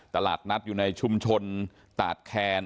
ตลาดนัดอยู่ในชุมชนตาดแคน